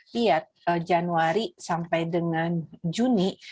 lihat januari sampai dengan juni